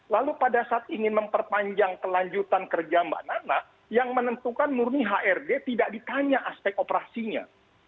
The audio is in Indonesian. lalu pada saat ingin memperpanjang kelanjutan kerja mbak nana yang menentukan murni hrd tidak ditanya aspek operasinya